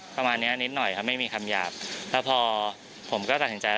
ประมาณเนี้ยนิดหน่อยครับไม่มีคำหยาบแล้วพอผมก็ตัดสินใจ